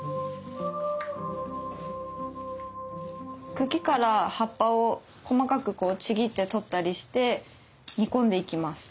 茎から葉っぱを細かくこうちぎって取ったりして煮込んでいきます。